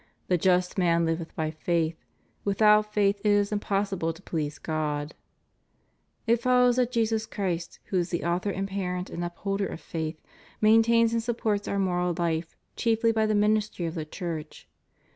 The just man liveth by faith;^ withoui faith it is impossible to please God} It follows that Jesus Christ, who is the author and parent and upholder of faith, maintains and supports our moral hfe chiefly by the ministry of the Church.